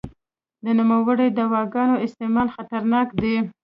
د نوموړو دواګانو استعمال خطرناک دی.